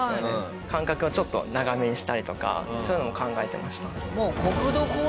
間隔をちょっと長めにしたりとかそういうのも考えてましたね。